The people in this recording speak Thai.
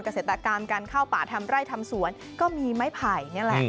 เกษตรกรรมการเข้าป่าทำไร่ทำสวนก็มีไม้ไผ่นี่แหละ